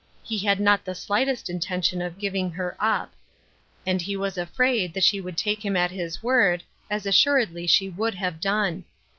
He had not the slightest intention of giving her up; and he was afraid she would take him at his word, as assuredly she would have done.